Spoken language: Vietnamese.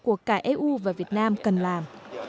của cả eu và việt nam cần làm